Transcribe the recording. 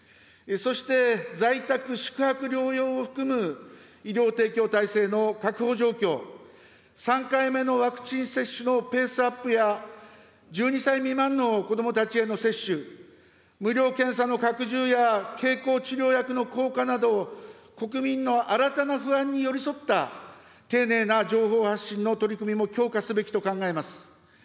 そして、在宅・宿泊療養を含む医療提供体制の確保状況、３回目のワクチン接種のペースアップや、１２歳未満の子どもたちへの接種、無料検査の拡充や経口治療薬の効果など、国民の新たな不安に寄り添った丁寧な情報発信の取り組みも強化すべきと考えます。